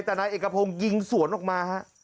แต่นายเอกลักษณะนะครับ